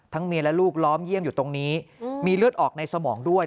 เมียและลูกล้อมเยี่ยมอยู่ตรงนี้มีเลือดออกในสมองด้วย